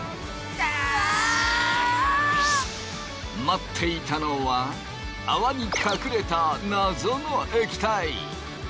待っていたのは泡に隠れた謎の液体。